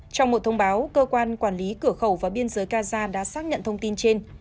trong một thông báo cơ quan quản lý cửa khẩu và biên giới gaza đã xác nhận thông tin trên